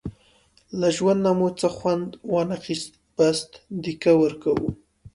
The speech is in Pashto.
له ژوند نه مو څه وخوند وانخیست، بس دیکه ورکوو.